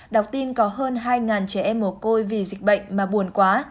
đọc tin có hơn hai trẻ em mồ côi vì dịch bệnh mà buồn quá